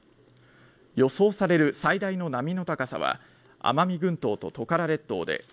予想される最大の波の高さは、奄美群島トカラ列島で３ｍ。